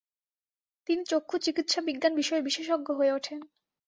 তিনি চক্ষুচিকিৎসাবিজ্ঞান বিষয়ে বিশেষজ্ঞ হয়ে ওঠেন।